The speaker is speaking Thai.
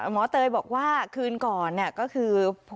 เตยบอกว่าคืนก่อนก็คือ